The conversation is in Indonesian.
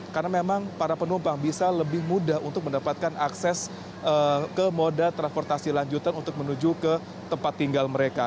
karena memang para penumpang bisa lebih mudah untuk mendapatkan akses ke moda transportasi lanjutan untuk menuju ke tempat tinggal mereka